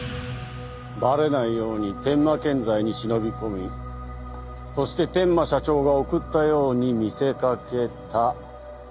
バレないように天馬建材に忍び込みそして天馬社長が送ったように見せかけた。